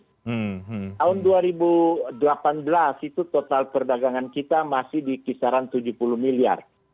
tahun dua ribu delapan belas itu total perdagangan kita masih di kisaran tujuh puluh miliar